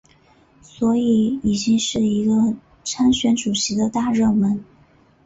所以已经是一个参选主席的大热门。